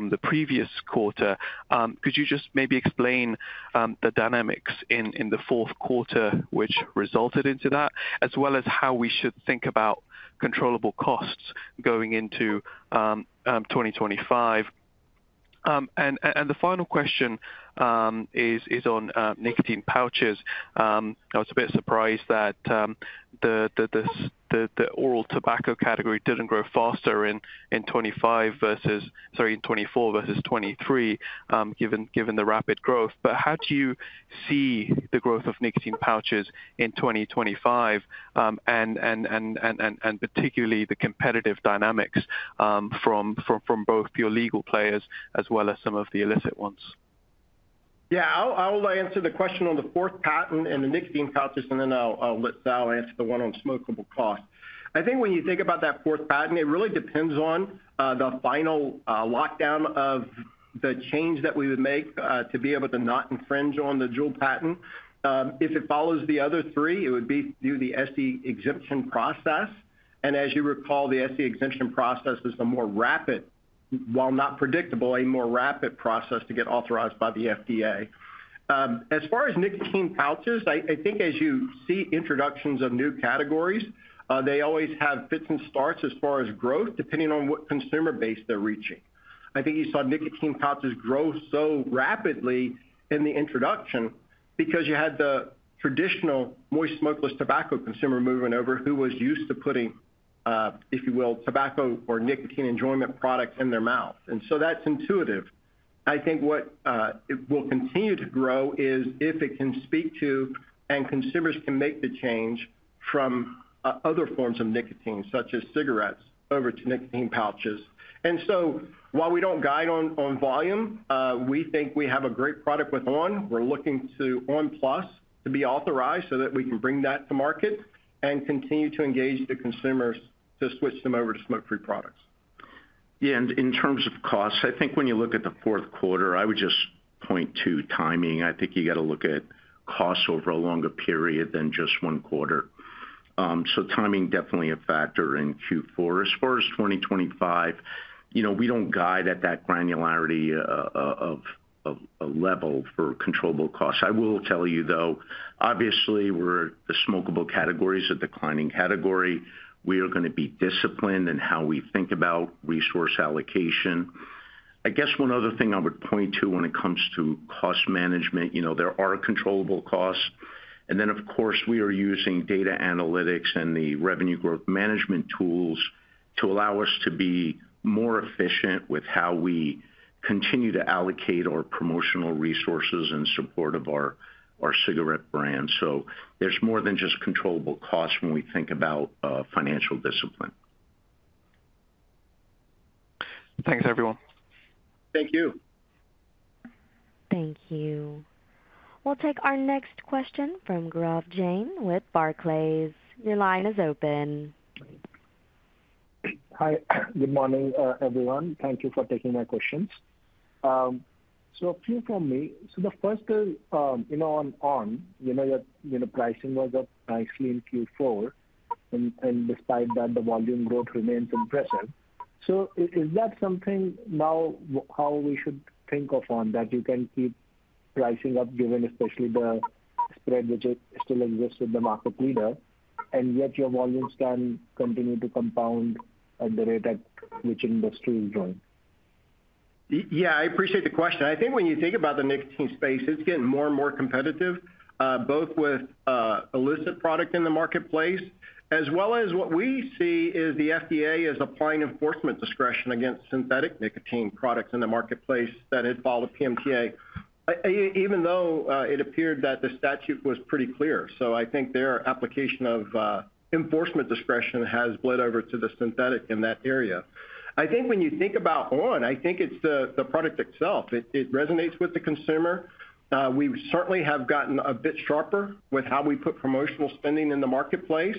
the previous quarter. Could you just maybe explain the dynamics in the fourth quarter, which resulted into that, as well as how we should think about controllable costs going into 2025? And the final question is on nicotine pouches. I was a bit surprised that the oral tobacco category didn't grow faster in 2024 versus 2023, given the rapid growth. But how do you see the growth of nicotine pouches in 2025 and particularly the competitive dynamics from both your legal players as well as some of the illicit ones? Yeah. I'll answer the question on the fourth patent and the nicotine pouches, and then I'll let Sal answer the one on smokable costs. I think when you think about that fourth patent, it really depends on the final lockdown of the change that we would make to be able to not infringe on the JUUL patent. If it follows the other three, it would be through the SE exemption process. And as you recall, the SE exemption process is a more rapid, while not predictable, process to get authorized by the FDA. As far as nicotine pouches, I think as you see introductions of new categories, they always have fits and starts as far as growth, depending on what consumer base they're reaching. I think you saw nicotine pouches grow so rapidly in the introduction because you had the traditional moist smokeless tobacco consumer movement over who was used to putting, if you will, tobacco or nicotine enjoyment products in their mouth. And so that's intuitive. I think what will continue to grow is if it can speak to and consumers can make the change from other forms of nicotine, such as cigarettes, over to nicotine pouches. And so while we don't guide on volume, we think we have a great product with on!. We're looking to on! PLUS to be authorized so that we can bring that to market and continue to engage the consumers to switch them over to smoke-free products. Yeah. And in terms of costs, I think when you look at the fourth quarter, I would just point to timing. I think you got to look at costs over a longer period than just one quarter. So timing definitely a factor in Q4. As far as 2025, we don't guide at that granularity of a level for controllable costs. I will tell you, though, obviously, the smokable category is a declining category. We are going to be disciplined in how we think about resource allocation. I guess one other thing I would point to when it comes to cost management, there are controllable costs. And then, of course, we are using data analytics and the revenue growth management tools to allow us to be more efficient with how we continue to allocate our promotional resources in support of our cigarette brand. So there's more than just controllable costs when we think about financial discipline. Thanks, everyone. Thank you. Thank you. We'll take our next question from Gaurav Jain with Barclays. Your line is open. Hi. Good morning, everyone. Thank you for taking my questions. So a few from me. So the first is on on!. You know your pricing was up nicely in Q4. And despite that, the volume growth remains impressive. So is that something now how we should think of on!, that you can keep pricing up, given especially the spread which still exists with the market leader, and yet your volumes can continue to compound at the rate at which industry is growing? Yeah. I appreciate the question. I think when you think about the nicotine space, it's getting more and more competitive, both with illicit product in the marketplace, as well as what we see is the FDA is applying enforcement discretion against synthetic nicotine products in the marketplace that had followed PMTA, even though it appeared that the statute was pretty clear. So I think their application of enforcement discretion has bled over to the synthetic in that area. I think when you think about on!, I think it's the product itself. It resonates with the consumer. We certainly have gotten a bit sharper with how we put promotional spending in the marketplace.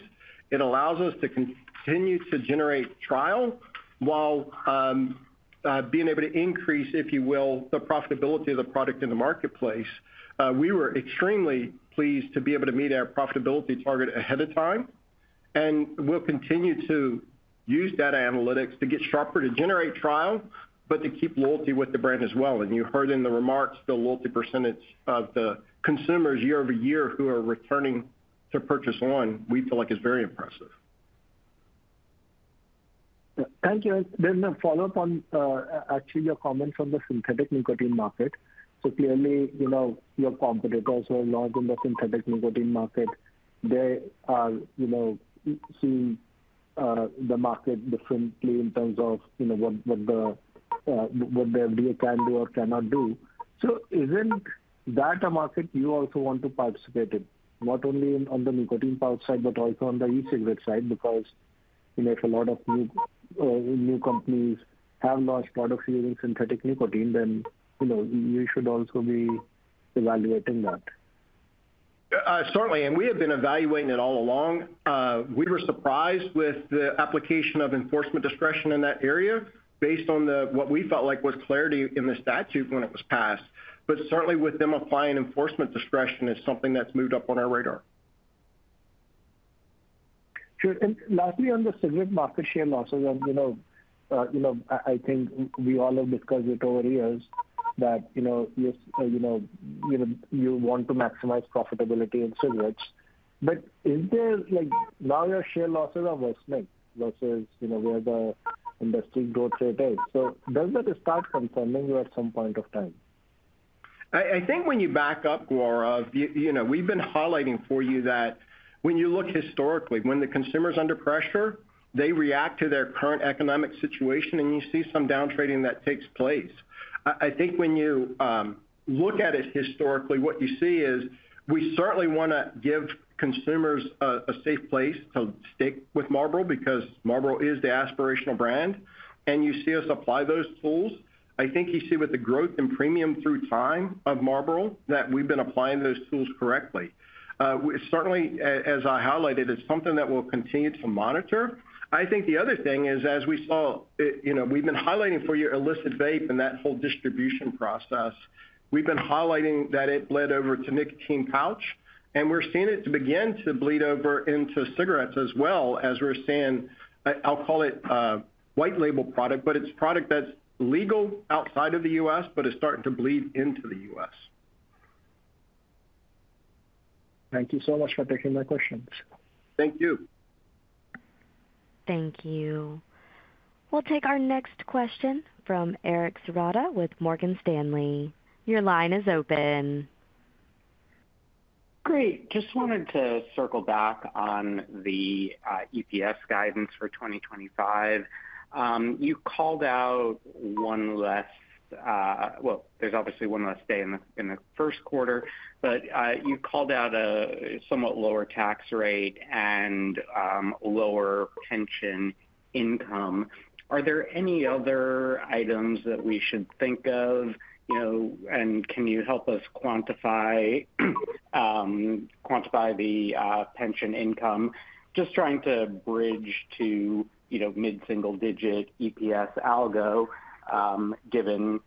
It allows us to continue to generate trial while being able to increase, if you will, the profitability of the product in the marketplace. We were extremely pleased to be able to meet our profitability target ahead of time. And we'll continue to use data analytics to get sharper to generate trial, but to keep loyalty with the brand as well. And you heard in the remarks, the loyalty percentage of the consumers year over year who are returning to purchase on!, we feel like is very impressive. Thank you. And then the follow-up on actually your comment from the synthetic nicotine market. So clearly, your competitors who are large in the synthetic nicotine market, they are seeing the market differently in terms of what the FDA can do or cannot do. So isn't that a market you also want to participate in, not only on the nicotine pouch side, but also on the e-cigarette side? Because if a lot of new companies have launched products using synthetic nicotine, then you should also be evaluating that. Certainly. And we have been evaluating it all along. We were surprised with the application of enforcement discretion in that area based on what we felt like was clarity in the statute when it was passed. But certainly, with them applying enforcement discretion, it's something that's moved up on our radar. Sure. And lastly, on the cigarette market share losses, I think we all have discussed it over years that you want to maximize profitability in cigarettes. But now your share losses are worsening versus where the industry growth rate is. So does that start concerning you at some point of time? I think when you back up, Gaurav, we've been highlighting for you that when you look historically, when the consumer's under pressure, they react to their current economic situation, and you see some downtrading that takes place. I think when you look at it historically, what you see is we certainly want to give consumers a safe place to stick with Marlboro because Marlboro is the aspirational brand, and you see us apply those tools. I think you see with the growth in premium through time of Marlboro that we've been applying those tools correctly. Certainly, as I highlighted, it's something that we'll continue to monitor. I think the other thing is, as we saw, we've been highlighting for you illicit vape and that whole distribution process. We've been highlighting that it bled over to nicotine pouch, and we're seeing it begin to bleed over into cigarettes as well, as we're seeing, I'll call it white label product, but it's product that's legal outside of the U.S., but it's starting to bleed into the U.S. Thank you so much for taking my questions. Thank you. Thank you. We'll take our next question from Eric Serotta with Morgan Stanley. Your line is open. Great. Just wanted to circle back on the EPS guidance for 2025. You called out one less, well, there's obviously one less day in the first quarter, but you called out a somewhat lower tax rate and lower pension income. Are there any other items that we should think of? And can you help us quantify the pension income? Just trying to bridge to mid-single digit EPS algo, given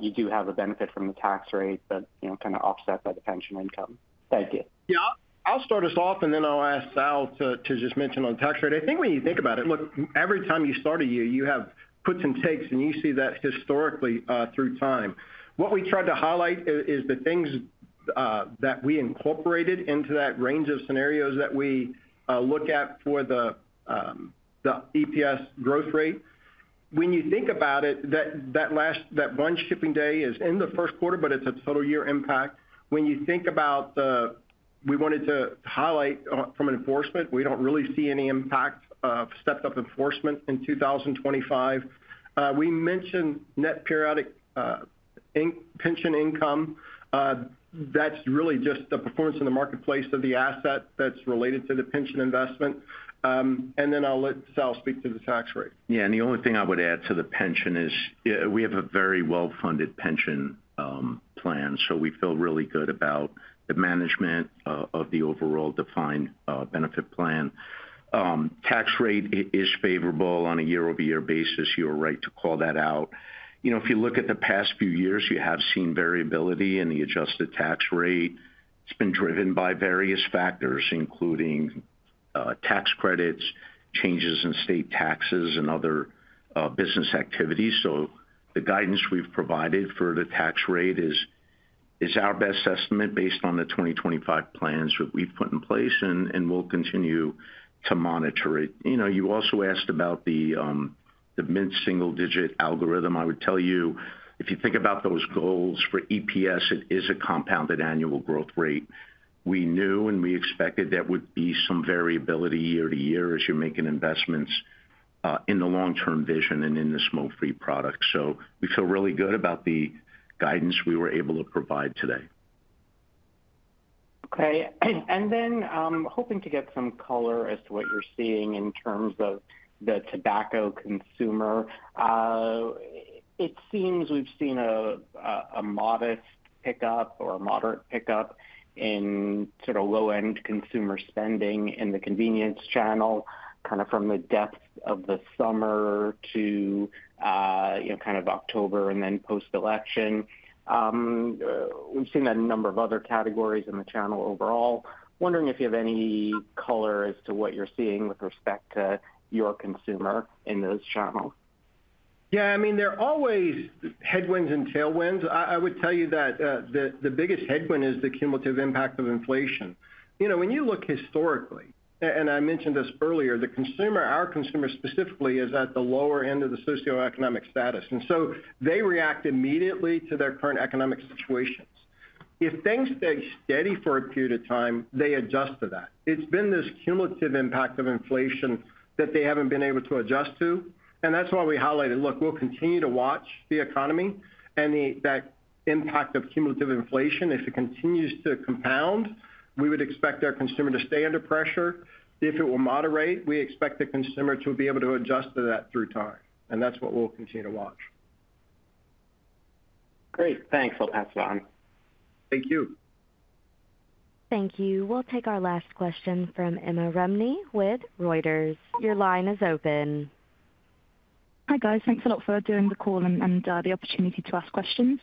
you do have a benefit from the tax rate, but kind of offset by the pension income. Thank you. Yeah. I'll start us off, and then I'll ask Sal to just mention on tax rate. I think when you think about it, look, every time you start a year, you have puts and takes, and you see that historically through time. What we tried to highlight is the things that we incorporated into that range of scenarios that we look at for the EPS growth rate. When you think about it, that one shipping day is in the first quarter, but it's a total year impact. When you think about the, we wanted to highlight from enforcement, we don't really see any impact of stepped-up enforcement in 2025. We mentioned net periodic pension income. That's really just the performance in the marketplace of the asset that's related to the pension investment, and then I'll let Sal speak to the tax rate. Yeah, and the only thing I would add to the pension is we have a very well-funded pension plan, so we feel really good about the management of the overall defined benefit plan. Tax rate is favorable on a year-over-year basis. You're right to call that out. If you look at the past few years, you have seen variability in the adjusted tax rate. It's been driven by various factors, including tax credits, changes in state taxes, and other business activities, so the guidance we've provided for the tax rate is our best estimate based on the 2025 plans that we've put in place, and we'll continue to monitor it. You also asked about the mid-single-digit algorithm. I would tell you, if you think about those goals for EPS, it is a compounded annual growth rate. We knew and we expected there would be some variability year to year as you make investments in the long-term vision and in the smoke-free products. So we feel really good about the guidance we were able to provide today. Okay. And then hoping to get some color as to what you're seeing in terms of the tobacco consumer. It seems we've seen a modest pickup or a moderate pickup in sort of low-end consumer spending in the convenience channel, kind of from the depth of the summer to kind of October and then post-election. We've seen a number of other categories in the channel overall. Wondering if you have any color as to what you're seeing with respect to your consumer in those channels. Yeah. I mean, there are always headwinds and tailwinds. I would tell you that the biggest headwind is the cumulative impact of inflation. When you look historically, and I mentioned this earlier, our consumer specifically is at the lower end of the socioeconomic status. And so they react immediately to their current economic situations. If things stay steady for a period of time, they adjust to that. It's been this cumulative impact of inflation that they haven't been able to adjust to. And that's why we highlighted, look, we'll continue to watch the economy and that impact of cumulative inflation. If it continues to compound, we would expect our consumer to stay under pressure. If it will moderate, we expect the consumer to be able to adjust to that through time. And that's what we'll continue to watch. Great. Thanks. I'll pass it on. Thank you. Thank you. We'll take our last question from Emma Rumney with Reuters. Your line is open. Hi guys. Thanks a lot for doing the call and the opportunity to ask questions.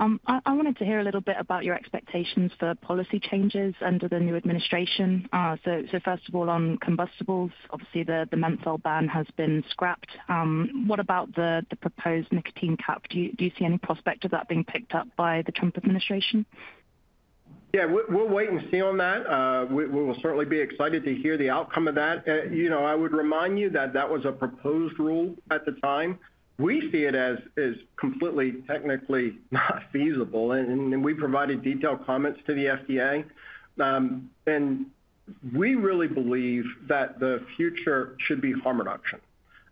I wanted to hear a little bit about your expectations for policy changes under the new administration. So first of all, on combustibles, obviously the menthol ban has been scrapped. What about the proposed nicotine cap? Do you see any prospect of that being picked up by the Trump administration? Yeah. We'll wait and see on that. We will certainly be excited to hear the outcome of that. I would remind you that that was a proposed rule at the time. We see it as completely technically not feasible. And we provided detailed comments to the FDA. And we really believe that the future should be harm reduction.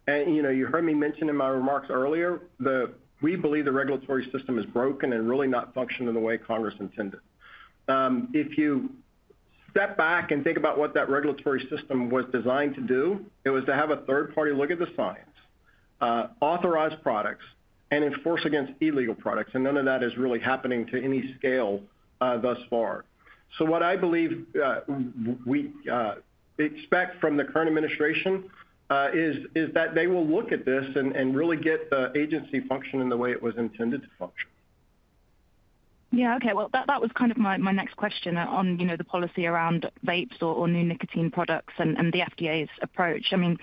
You heard me mention in my remarks earlier, we believe the regulatory system is broken and really not functioning the way Congress intended. If you step back and think about what that regulatory system was designed to do, it was to have a third party look at the science, authorize products, and enforce against illegal products. None of that is really happening to any scale thus far. What I believe we expect from the current administration is that they will look at this and really get the agency functioning the way it was intended to function. Yeah. Okay. That was kind of my next question on the policy around vapes or new nicotine products and the FDA's approach. I mean,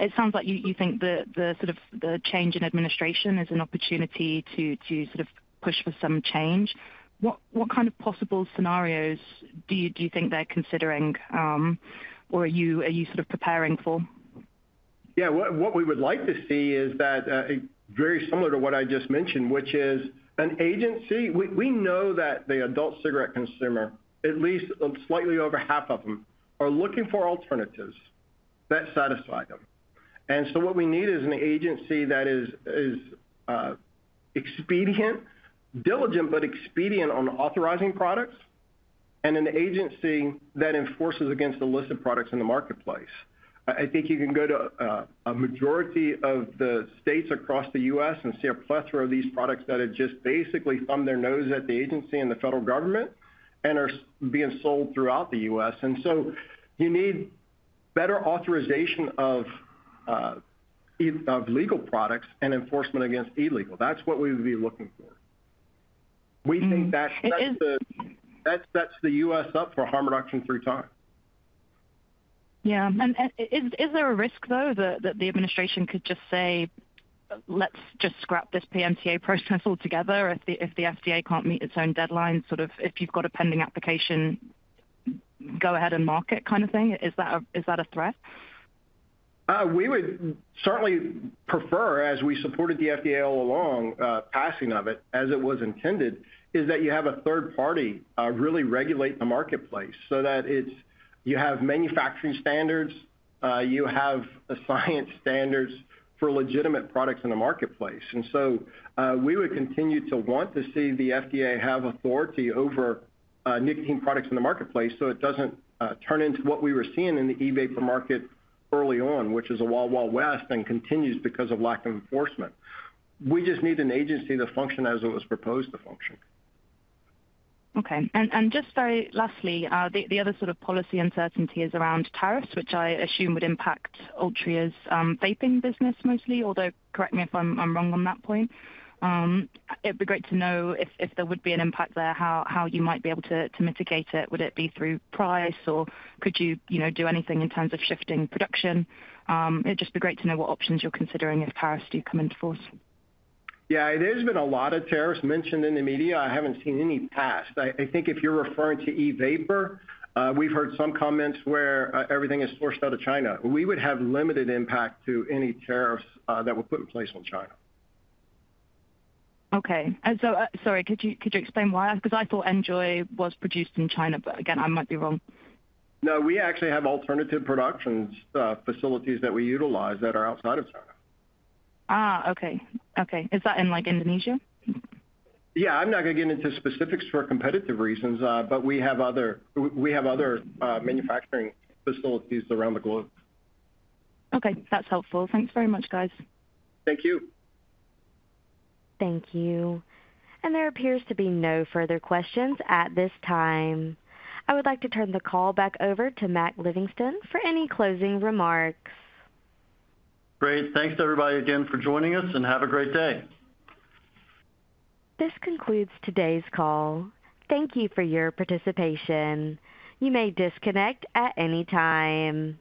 it sounds like you think the sort of change in administration is an opportunity to sort of push for some change. What kind of possible scenarios do you think they're considering, or are you sort of preparing for? Yeah. What we would like to see is that very similar to what I just mentioned, which is an agency. We know that the adult cigarette consumer, at least slightly over half of them, are looking for alternatives that satisfy them. And so what we need is an agency that is diligent, but expedient on authorizing products, and an agency that enforces against illicit products in the marketplace. I think you can go to a majority of the states across the U.S. and see a plethora of these products that are just basically thumb their nose at the agency and the federal government and are being sold throughout the U.S. And so you need better authorization of legal products and enforcement against illegal. That's what we would be looking for. We think that sets the U.S. up for harm reduction through time. Yeah. And is there a risk, though, that the administration could just say, "Let's just scrap this PMTA process altogether if the FDA can't meet its own deadlines?" Sort of, "If you've got a pending application, go ahead and mark it," kind of thing? Is that a threat? We would certainly prefer, as we supported the FDA all along, passing of it as it was intended, is that you have a third party really regulate the marketplace so that you have manufacturing standards, you have science standards for legitimate products in the marketplace. And so we would continue to want to see the FDA have authority over nicotine products in the marketplace so it doesn't turn into what we were seeing in the e-vapor market early on, which is a Wild West, and it continues because of lack of enforcement. We just need an agency to function as it was proposed to function. Okay. And just very lastly, the other sort of policy uncertainty is around tariffs, which I assume would impact Altria's vaping business mostly, although correct me if I'm wrong on that point. It'd be great to know if there would be an impact there, how you might be able to mitigate it. Would it be through price, or could you do anything in terms of shifting production? It'd just be great to know what options you're considering if tariffs do come into force. Yeah. There's been a lot of tariffs mentioned in the media. I haven't seen any past. I think if you're referring to e-vapor, we've heard some comments where everything is sourced out of China. We would have limited impact to any tariffs that were put in place on China. Okay. And so, sorry, could you explain why? Because I thought NJOY was produced in China, but again, I might be wrong. No, we actually have alternative production facilities that we utilize that are outside of China. Okay. Okay. Is that in Indonesia? Yeah. I'm not going to get into specifics for competitive reasons, but we have other manufacturing facilities around the globe. Okay. That's helpful. Thanks very much, guys. Thank you. Thank you. And there appears to be no further questions at this time. I would like to turn the call back over to Mac Livingston for any closing remarks. Great. Thanks to everybody again for joining us, and have a great day. This concludes today's call. Thank you for your participation. You may disconnect at any time.